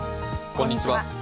こんにちは。